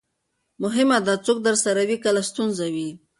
مهمه ده، څوک درسره وي کله ستونزه وي.